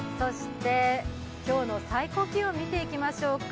今日の最高気温を見ていきましょうか。